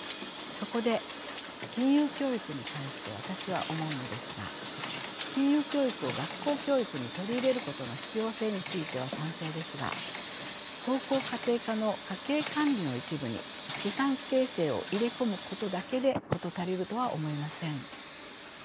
そこで金融教育に関して私は思うのですが金融教育を学校教育に取り入れることの必要性については賛成ですが高校家庭科の家計管理の一部に資産形成を入れ込むことだけで事足りるとは思えません。